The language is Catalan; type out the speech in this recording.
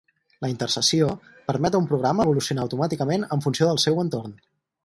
La intercessió permet a un programa evolucionar automàticament en funció del seu entorn.